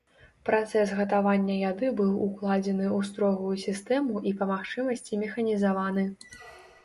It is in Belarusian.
Працэс гатавання яды быў укладзены ў строгую сістэму і па магчымасці механізаваны.